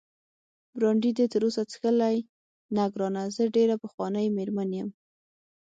برانډي دې تراوسه څښلی؟ نه ګرانه، زه ډېره پخوانۍ مېرمن یم.